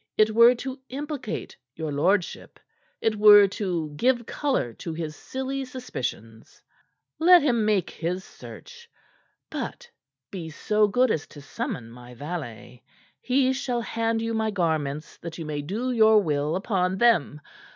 "It were to implicate your lordship. It were to give color to his silly suspicions. Let him make his search. But be so good as to summon my valet. He shall hand you my garments that you may do your will upon them.